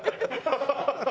ハハハハ！